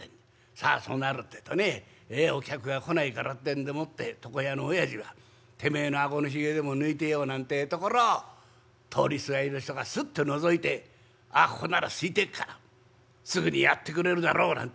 さあそうなるってえとねお客が来ないからってんでもって床屋のおやじはてめえの顎の髭でも抜いてようなんてえところ通りすがりの人がスッとのぞいて「あっここなら空いてっからすぐにやってくれるだろう」なんて